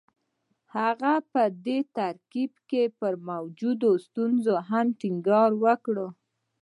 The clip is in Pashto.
هغه په دې ترکيب کې پر موجودو ستونزو هم ټينګار وکړ.